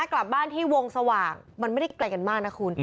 กลับบ้านที่วงสว่างมันไม่ได้ไกลกันมากนะคุณ